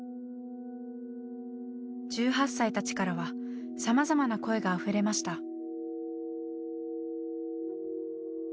１８歳たちからはさまざまな声があふれました。